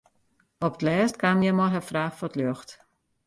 Op 't lêst kaam hja mei har fraach foar it ljocht.